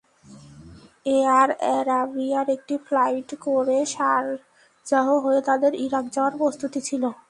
Air অ্যারাবিয়ার একটি ফ্লাইটে করে শারজাহ হয়ে তাঁদের ইরাক যাওয়ার প্রস্তুতি ছিল।